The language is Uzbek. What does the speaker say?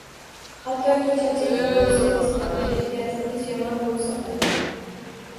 Hattoki charchagan bo‘lsangiz ham, kayfiyatingiz yomon bo‘lsa ham.